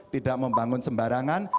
tidak membangun sembarangan